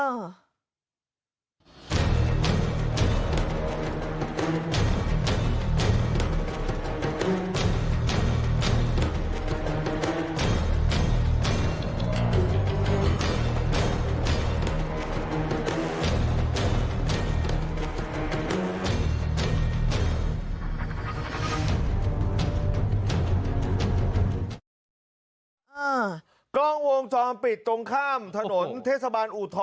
อ่ากล้องวงจรปิดตรงข้ามถนนเทศบาลอูทร